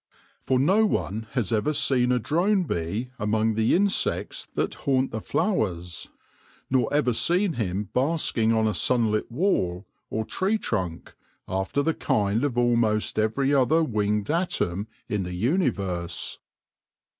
For no one has ever seen a drone bee among the insects that haunt the flowers, nor ever seen him basking on a sunlit wall or tree trunk, after the kind of almost every other winged atom in the universe.